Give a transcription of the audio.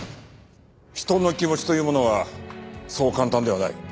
人の気持ちというものはそう簡単ではない。